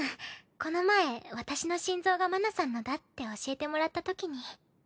この前私の心臓が麻奈さんのだって教えてもらったときに。